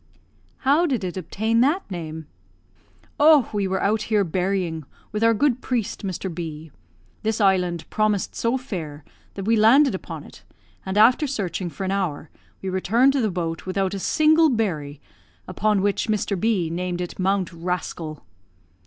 "How did it obtain that name?" "Oh, we were out here berrying, with our good priest, Mr. B . This island promised so fair, that we landed upon it, and, after searching for an hour, we returned to the boat without a single berry, upon which Mr. B named it 'Mount Rascal.'"